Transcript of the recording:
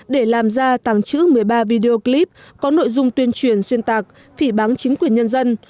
để làm ra tàng trữ một mươi ba video clip có nội dung tuyên truyền xuyên tạc phỉ bán chính quyền nhân dân